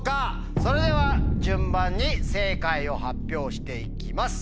それでは順番に正解を発表して行きます。